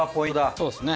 そうですね。